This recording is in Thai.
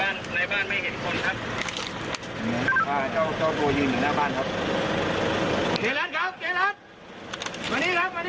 ในบ้านในบ้านไม่เห็นคนครับ